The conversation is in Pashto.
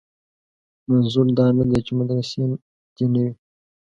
منظور دا نه دی چې مدرسې دې نه وي.